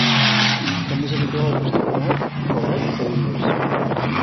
També és habitual el festuc mòlt, pebrot o olives.